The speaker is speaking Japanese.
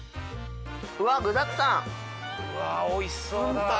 うわうわおいしそうだ